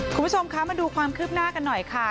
คุณผู้ชมคะมาดูความคืบหน้ากันหน่อยค่ะ